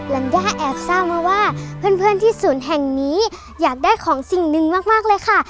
ัญญาแอบทราบมาว่าเพื่อนที่ศูนย์แห่งนี้อยากได้ของสิ่งหนึ่งมากเลยค่ะ